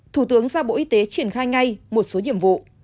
thủ tướng giao bộ y tế triển khai ngay một số nhiệm vụ